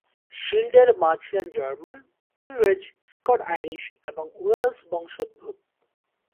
শিল্ডের মা ছিলেন জার্মান, ইংরেজ, স্কট-আইরিশ এবং ওয়েলস বংশোদ্ভূত।